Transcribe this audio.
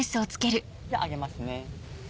揚げますね。